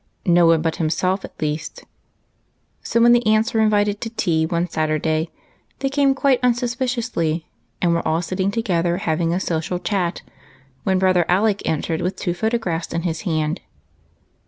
(no one but himself at least) ; so when the aunts were invited to tea one Saturday they came quite unsuspi ciously, and were all sitting together having a social chat, when Brother Alec entered with two photographs in his hand.